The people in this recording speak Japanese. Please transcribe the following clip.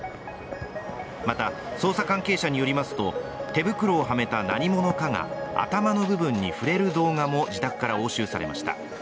また捜査関係者によりますと、手袋をはめた何者かが頭の部分に触れる動画も自宅から押収されました。